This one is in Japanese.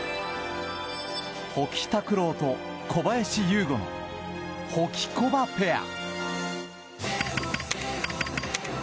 保木卓朗と小林優吾のホキコバペア。